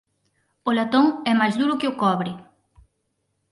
O latón é máis duro que o cobre